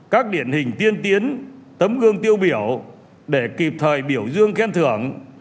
các điển hình tiên tiến tấm gương tiêu biểu để kịp thời biểu dương khen thưởng